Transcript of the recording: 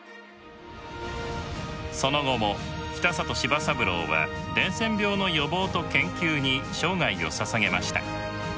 その後も北里柴三郎は伝染病の予防と研究に生涯をささげました。